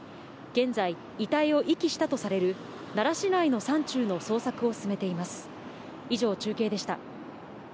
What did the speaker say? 現在、遺体を遺棄したとされる奈良市内の山中の捜索を進めています。